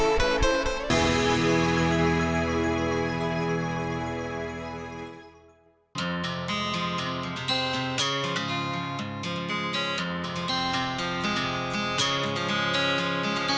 mungkin jadi keterakitan yang sudah sempat berjalan